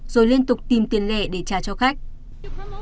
rồi liên tục tìm tiền lẻ để trả cho khách